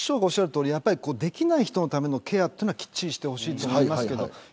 できない人のためのケアはきちんとしてほしいです。